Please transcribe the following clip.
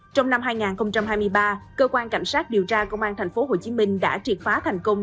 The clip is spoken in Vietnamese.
trong năm hai nghìn hai mươi ba cơ quan cảnh sát điều tra công an tp hcm đã triệt phá thành công